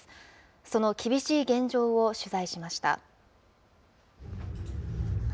その厳しい現状を取材しました。